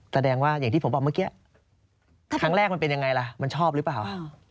แสดงว่าอย่างที่ผมบอกเมื่อกี้ครั้งแรกมันเป็นยังไงล่ะมันชอบหรือเปล่า